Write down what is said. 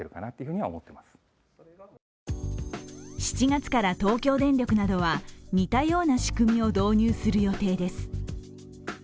７月から東京電力などは似たような仕組みを導入する予定です。